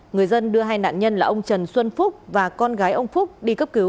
người dân đưa hai nạn nhân là ông trần xuân phúc và con gái ông phúc đi cấp cứu